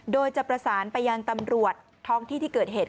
โดยจะประสานไปยังตำรวจท้องที่ที่เกิดเหตุ